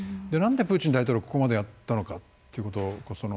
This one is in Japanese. なんでプーチン大統領ここまでやったのかということ。